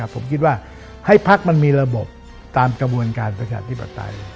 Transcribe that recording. ผมคิดว่าให้ภักดิ์มันมีระบบตามกระบวนการประชาชนที่ประเทศ